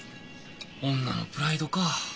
女のプライドか。